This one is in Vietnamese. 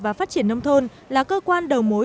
và phát triển nông thôn là cơ quan đầu mối